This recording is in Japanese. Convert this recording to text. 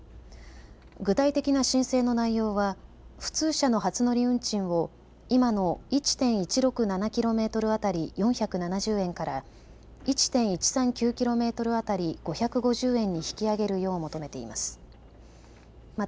具体的な申請の内容は普通車の初乗り運賃を今の１．１６７キロメートルあたり４７０円から１．１３９キロメートル当たり５５０円に引き上げるよう求めています。